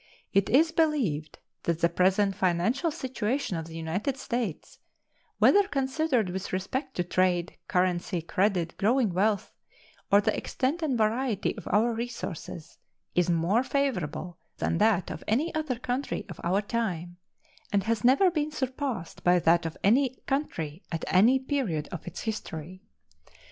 It is believed that the present financial situation of the United States, whether considered with respect to trade, currency, credit, growing wealth, or the extent and variety of our resources, is more favorable than that of any other country of our time, and has never been surpassed by that of any country at any period of its history.